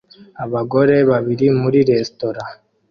Abagore babiri muri resitora